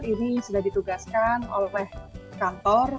ini sudah ditugaskan oleh kantor